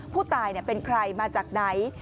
ผู้ตายเป็นใครมาจากไหน